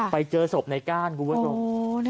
ไปเจอศพในก้านคุณผู้ชม